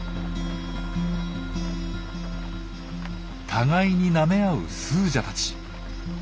互いになめ合うスージャたち。